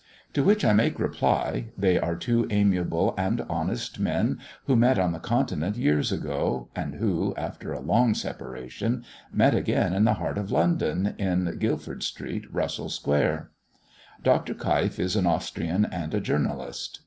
To which I make reply they are two amiable and honest men who met on the Continent years ago, and who, after a long separation, met again in the heart of London, in Guildford street, Russell square. Dr. Keif is an Austrian and a journalist.